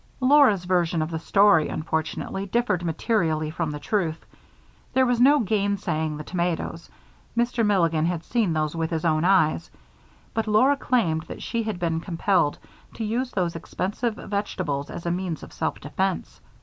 Laura's version of the story, unfortunately, differed materially from the truth. There was no gainsaying the tomatoes Mr. Milligan had seen those with his own eyes; but Laura claimed that she had been compelled to use those expensive vegetables as a means of self defense.